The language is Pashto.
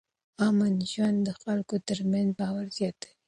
امن ژوند د خلکو ترمنځ باور زیاتوي.